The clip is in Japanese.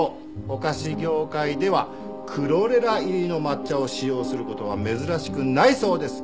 お菓子業界ではクロレラ入りの抹茶を使用する事は珍しくないそうです。